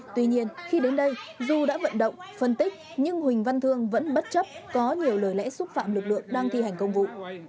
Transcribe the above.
tuy nhiên khi đến đây dù đã vận động phân tích nhưng huỳnh văn thương vẫn bất chấp có nhiều lời lẽ xúc phạm lực lượng đang thi hành công vụ